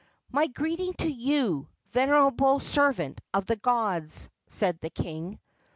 "My greeting to you, venerable servant of the gods!" said the king.